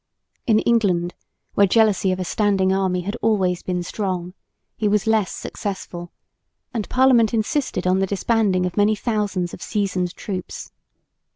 In England, where jealousy of a standing army had always been strong, he was less successful, and Parliament insisted on the disbanding of many thousands of seasoned troops.